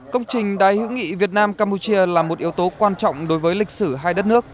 công trình đài hữu nghị việt nam campuchia là một yếu tố quan trọng đối với lịch sử hai đất nước